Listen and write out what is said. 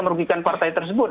merugikan partai tersebut